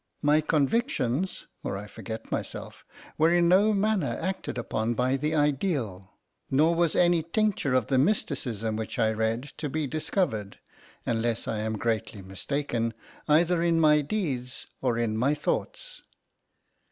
My convictions, or I forget myself, were in no manner acted upon by the ideal, nor was any tincture of the mysticism which I read to be discovered, unless I am greatly mistaken, either in my deeds or in my thoughts.